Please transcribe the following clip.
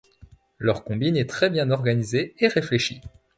Leur combine est très bien organisée et réfléchie.